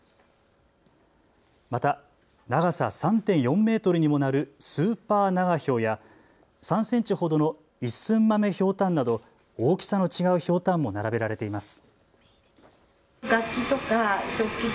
また長さ３．４メートルにもなるスーパー長瓢や３センチほどのイッスンマメヒョウタンなど大きさの違うひょうたんも並べられています。